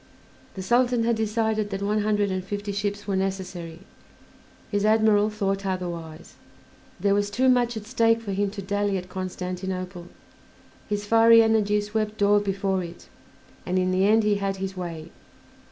The Sultan had decided that one hundred and fifty ships were necessary; his admiral thought otherwise. There was too much at stake for him to dally at Constantinople; his fiery energy swept all before it, and in the end he had his way.